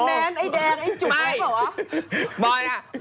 ไอ้แมนไอ้แดงไอ้จุบ๊ะ